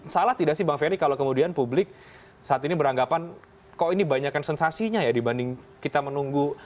salah tidak sih bang ferry kalau kemudian publik saat ini beranggapan kok ini banyakan sensasinya ya dibanding kita menunggu